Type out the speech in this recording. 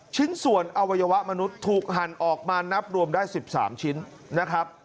ชิ้นส่วนอวัยวะมนุษย์ถูกหั่นออกมานับรวมได้๑๓ชิ้นนะครับ